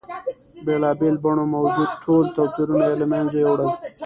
بېلا بېلو بڼو موجود ټول توپیرونه یې له منځه یوړل.